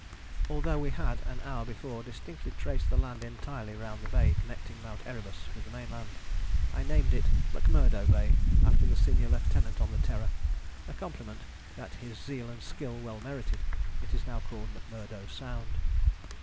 although we had an hour before distinctly traced the land entirely round the bay connecting Mount Erebus with the mainland. I named it McMurdo Bay, after the senior lieutenant of the Terror, a compliment that his zeal and skill well merited." It is now called McMurdo Sound.